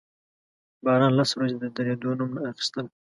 باران لس ورځې د درېدو نوم نه اخيستل.